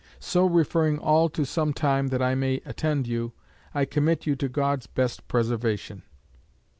So referring all to some time that I may attend you, I commit you to God's best preservation."